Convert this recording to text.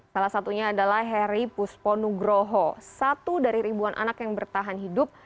salah satunya adalah heri pusponugroho satu dari ribuan anak yang bertahan hidup